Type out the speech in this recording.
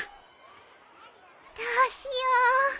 どうしよう